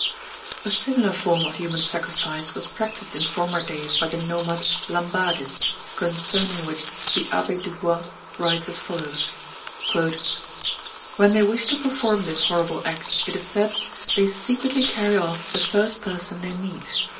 A similar form of human sacrifice was practised in former days by the nomad Lambadis, concerning which the Abbé Dubois writes as follows : "When they wish to perform this horrible act, it is said, they secretly carry off the first person they meet.